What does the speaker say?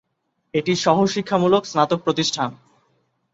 এটি সহ-শিক্ষামূলক স্নাতক প্রতিষ্ঠান।